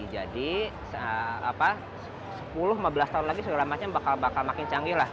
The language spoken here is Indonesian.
jadi sepuluh lima belas tahun lagi sudah ramasnya bakal makin canggih lah